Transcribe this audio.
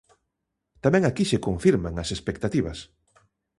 Tamén aquí se confirman as expectativas.